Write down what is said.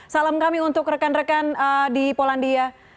salam kami untuk rekan rekan di polandia